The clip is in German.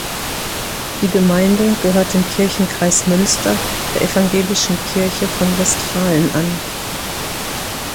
Die Gemeinde gehört dem Kirchenkreis Münster der Evangelischen Kirche von Westfalen an.